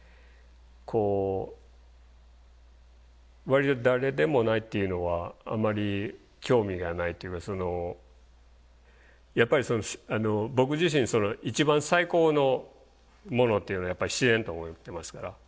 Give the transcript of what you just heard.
こう割と誰でもないっていうのはあまり興味がないというかやっぱり僕自身一番最高のものっていうのはやっぱり自然と思ってますから。